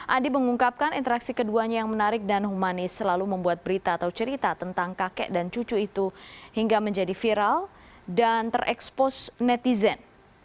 andi mengungkapkan interaksi keduanya yang menarik dan humanis selalu membuat berita atau cerita tentang kakek dan cucu itu hingga menjadi viral dan terekspos netizen